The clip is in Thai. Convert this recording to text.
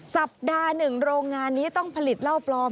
สัปดาห์หนึ่งโรงงานนี้ต้องผลิตเหล้าปลอม